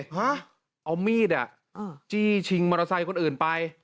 ทั้งมีดจี้ชิงมอเตอร์ไซด์ตัวอื่นไป